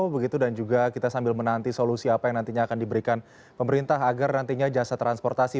begitu dan juga kita sambil menanti solusi apa yang nantinya akan diberikan pemerintah agar nantinya jasa transportasi